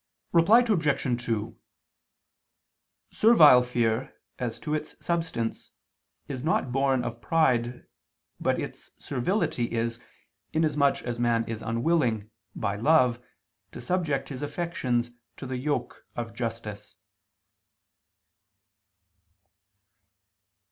Reply Obj. 2: Servile fear as to its substance is not born of pride, but its servility is, inasmuch as man is unwilling, by love, to subject his affections to the yoke of justice.